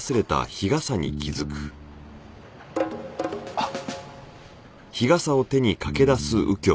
あっ。